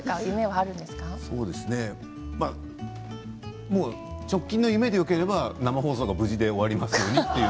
そうですね直近の夢でよければ生放送が無事終わりますようにと。